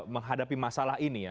menghadapi masalah ini ya